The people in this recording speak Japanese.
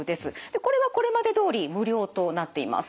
これはこれまでどおり無料となっています。